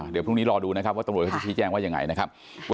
เดี๋ยวพรุ่งนี้รอดูนะครับว่าตรงโรยจะแจ้งว่าอย่างไรนะครับ